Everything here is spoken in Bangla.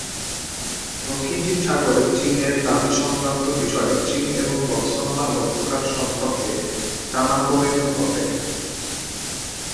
দক্ষিণ চীন সাগরে চীনের দাবি সংক্রান্ত বিষয়ে চীন এবং বতসোয়ানার মধ্যকার সম্পর্কে টানাপোড়েন ঘটে।